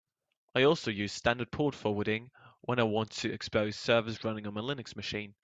I also use standard port forwarding when I want to expose servers running on my Linux machine.